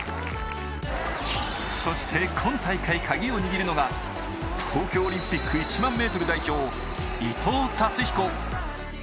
そして今大会カギを握るのが、東京オリンピック１００００ｍ代表伊藤達彦。